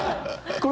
これ。